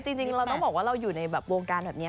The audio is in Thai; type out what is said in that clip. จริงเราต้องบอกว่าเราอยู่ในแบบวงการแบบนี้